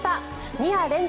２夜連続